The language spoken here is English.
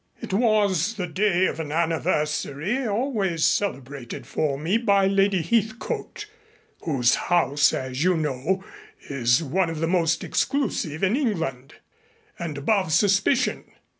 "It was the day of an anniversary always celebrated for me by Lady Heathcote, whose house, as you know, is one of the most exclusive in England and above suspicion.